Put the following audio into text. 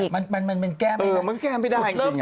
มันแก้ไม่ได้มันแก้ไม่ได้จริง